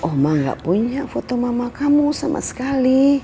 eh oma gak punya foto mama kamu sama sekali